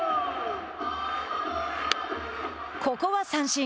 ここは三振。